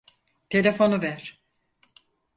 Telefonu ver!